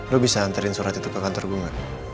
lo bisa hantarin surat itu ke kantor gua gak